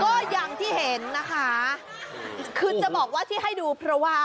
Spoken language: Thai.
ก็อย่างที่เห็นนะคะคือจะบอกว่าที่ให้ดูเพราะว่า